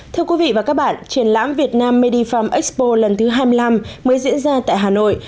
thưa quý vị và các bạn triển lãm việt nam medifarm expo lần thứ hai mươi năm mới diễn ra tại hà nội